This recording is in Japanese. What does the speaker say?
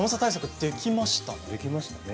できましたね。